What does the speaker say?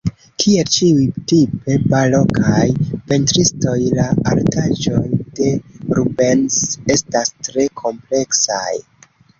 Kiel ĉiuj tipe barokaj pentristoj, la artaĵoj de Rubens estas tre kompleksaj.